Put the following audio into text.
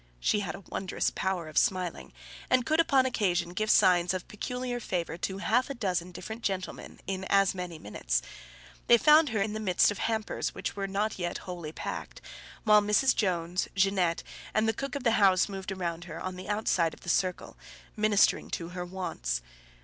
She had a wondrous power of smiling; and could, upon occasion, give signs of peculiar favour to half a dozen different gentlemen in as many minutes. They found her in the midst of hampers which were not yet wholly packed, while Mrs. Jones, Jeannette, and the cook of the household moved around her, on the outside of the circle, ministering to her wants.